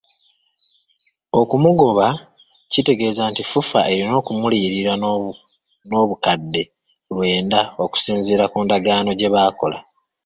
Okumugoba kitegeeza nti FUFA erina okumuliyirira n'obukadde lwenda okusinziira ku ndagaano gye baakola.